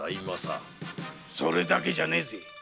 それだけじゃねぇぜ